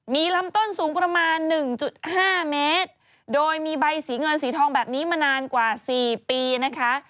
มีลำต้นสูงประมาณ๑๕เมตรโดยมีใบสีเงินสีทองแบบนี้มานานกว่า๔ปีนะคะ